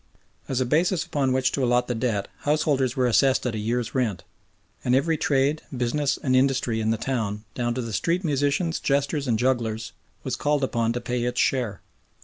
As a basis upon which to allot the debt householders were assessed at a year's rent, and every trade, business, and industry in the town, down to the street musicians, jesters, and jugglers, was called upon to pay its share.